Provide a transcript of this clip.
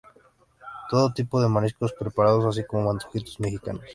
Todo tipo de mariscos preparados, así como antojitos mexicanos.